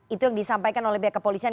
itu yang disampaikan oleh pihak kepolisian